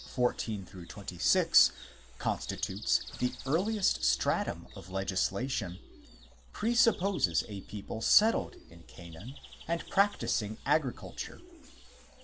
14 26 constitutes the earliest stratum of legislation, presupposes a people settled in Canaan and practising agriculture."